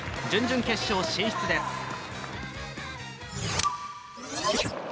準々決勝進出です。